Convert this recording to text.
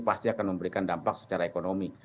pasti akan memberikan dampak secara ekonomi